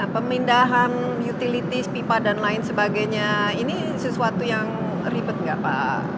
pemindahan utilities pipa dan lain sebagainya ini sesuatu yang ribet nggak pak